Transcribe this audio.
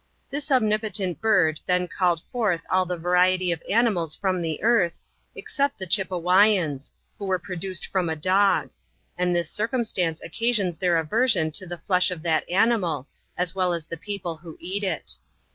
This omnipotent bird then called forth all the variety of animals from the earth, except the Chipewy ans, who were produced from a dog; and this circumstance occasions their aversion to the flesh of that animal, as well as the people who eat it.